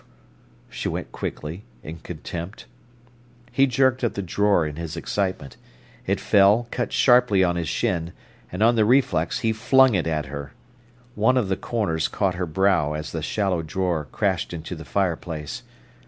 "P h!" she went quickly, in contempt. He jerked at the drawer in his excitement. It fell, cut sharply on his shin, and on the reflex he flung it at her. One of the corners caught her brow as the shallow drawer crashed into the fireplace.